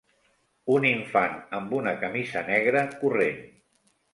Un infant amb una camisa negra corrent.